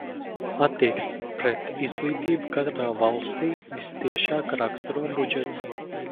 Attieksmi pret izglītību katrā valstī vistiešāk raksturo budžets.